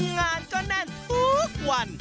งานก็แน่นทุกวัน